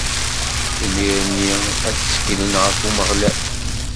Imir-nni ad tteklen ɣef Umeɣlal.